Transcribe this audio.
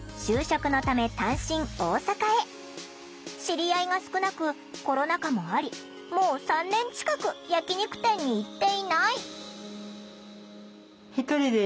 知り合いが少なくコロナ禍もありもう３年近く焼き肉店に行っていない。